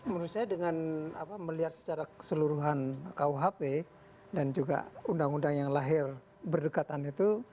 menurut saya dengan melihat secara keseluruhan kuhp dan juga undang undang yang lahir berdekatan itu